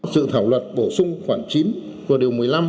dự thảo luật bổ sung khoản chín của điều một mươi năm